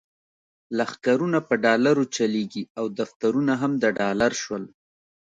لښکرونه په ډالرو چلیږي او دفترونه هم د ډالر شول.